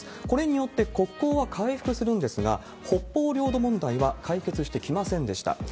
これによって国交は回復するんですが、北方領土問題は解決してきませんでした。